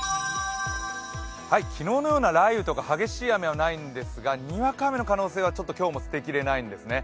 昨日のような雷雨とか激しい雨はないんですが、にわか雨の可能性は今日も捨てきれないんですね。